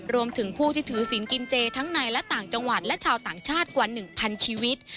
รวมถึงผู้ที่ถือศีลกินเจทั้งในและต่างจังหวัดและชาวต่างชาติกว่า๑๐๐ชีวิต